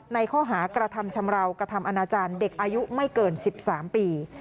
ในข้อหากระทำชำราวกระทำอนาจารย์เด็กอายุไม่เกิน๑๓ปี